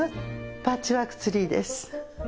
パッチワークツリーです。